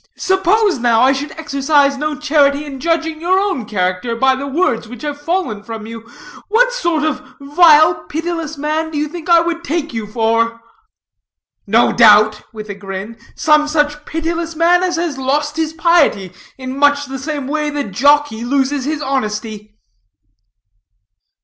"Suppose, now, I should exercise no charity in judging your own character by the words which have fallen from you; what sort of vile, pitiless man do you think I would take you for?" "No doubt" with a grin "some such pitiless man as has lost his piety in much the same way that the jockey loses his honesty."